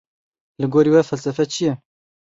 Li gorî we felsefe çi ye?